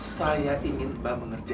saya ingin bang mengerjakan